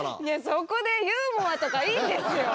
そこでユーモアとかいいんですよ！